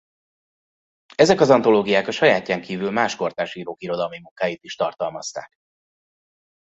Ezek az antológiák a sajátján kívül más kortárs írók irodalmi munkáit is tartalmazták.